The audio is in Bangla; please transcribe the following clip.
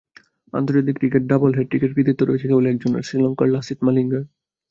আন্তর্জাতিক ক্রিকেটে ডাবল হ্যাটট্রিকের কৃতিত্ব রয়েছে কেবল একজনের— শ্রীলঙ্কার লাসিথ মালিঙ্গার।